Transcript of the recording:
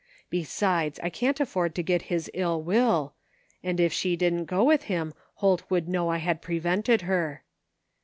Besides, I can't afford to get his ill will, and if she didn't go with him Holt would know I had prevented her."